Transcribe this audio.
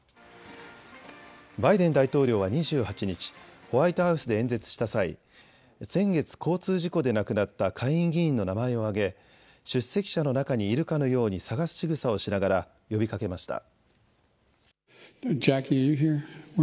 バイデン大統領は２８日、ホワイトハウスで演説した際、先月、交通事故で亡くなった下院議員の名前を挙げ出席者の中にいるかのように探すしぐさをしながら呼びかけました。